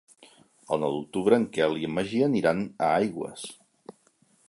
El nou d'octubre en Quel i en Magí aniran a Aigües.